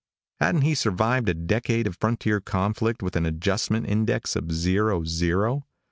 Hadn't he survived a decade of frontier conflict with an adjustment index of zero zero?